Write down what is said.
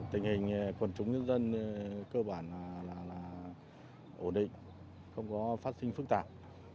tình hình của quần chúng dân dân cơ bản là ổn định không có phát sinh phức tạp